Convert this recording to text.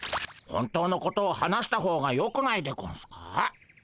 本当のことを話した方がよくないでゴンスか？